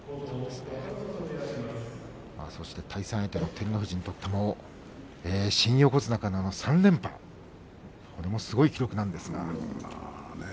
そして対戦相手の照ノ富士にとっても、新横綱からの３連覇これもすごい記録なんですが。